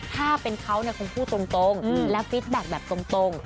ถ้าเป็นเขาเนี่ยคงพูดตรงและฟิตแบ็คแบบตรง